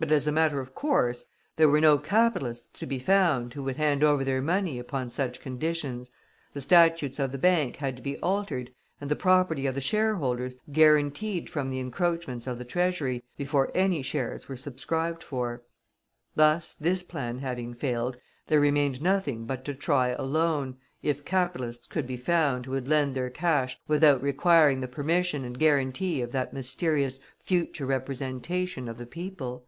But, as a matter of course, there were no capitalists to be found who would hand over their money upon such conditions; the statutes of the bank had to be altered, and the property of the shareholders guaranteed from the encroachments of the Treasury, before any shares were subscribed for. Thus, this plan having failed, there remained nothing but to try a loan, if capitalists could be found who would lend their cash without requiring the permission and guarantee of that mysterious "future Representation of the People."